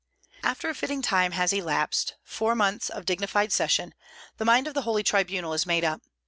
After a fitting time has elapsed, four months of dignified session, the mind of the Holy Tribunal is made up.